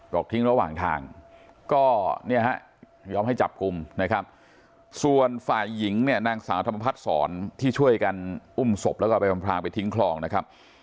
ทิ้งระหว่างทางก็เนี่ยฮะยอมให้จับกลุ่มนะครับส่วนฝ่ายหญิงเนี่ยนางสาวธรรมพัฒนศรที่ช่วยกันอุ้มศพแล้วก็ไปอำพลางไปทิ้งคลองนะครับ